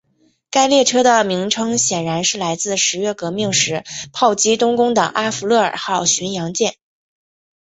该列车的名称显然是来自十月革命时炮击冬宫的阿芙乐尔号巡洋舰。